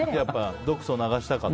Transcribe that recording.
毒素を流したかった？